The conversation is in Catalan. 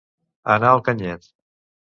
Anar al canyet.